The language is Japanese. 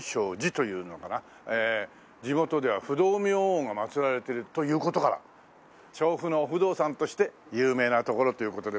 地元では不動明王がまつられているという事から調布の不動尊として有名な所という事で。